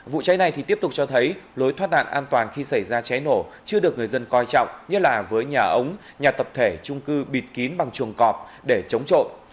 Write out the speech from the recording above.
vụ cháy này thì tiếp tục cho thấy lối thoát nạn an toàn khi xảy ra cháy nổ chưa được người dân coi trọng như là với nhà ống nhà tập thể trung cư bịt kín bằng chuồng cọp để chống trộm